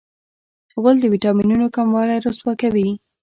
غول د وېټامینونو کموالی رسوا کوي.